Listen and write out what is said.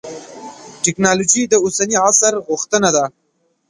تکنالوجي د اوسني عصر غوښتنه ده.